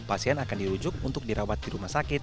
pasien akan dirujuk untuk dirawat di rumah sakit atau rumah singgah